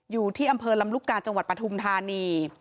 อยู่ที่อำเภอลำลูกกาจังหวัดปฐุมธานี